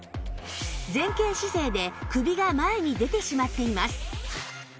前傾姿勢で首が前に出てしまっています